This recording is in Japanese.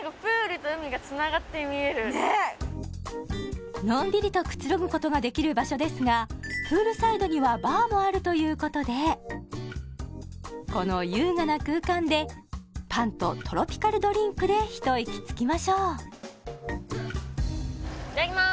もうねえ何かのんびりとくつろぐことができる場所ですがプールサイドにはバーもあるということでこの優雅な空間でパンとトロピカルドリンクで一息つきましょういただきます